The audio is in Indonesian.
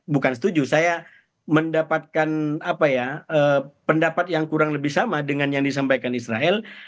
bukan setuju saya mendapatkan pendapat yang kurang lebih sama dengan yang disampaikan israel